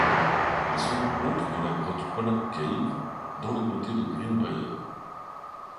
Elle se rencontre dans la grotte Pollock Cave dans le comté de Greenbrier.